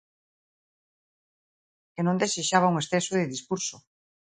Que non desexaba un exceso de discurso.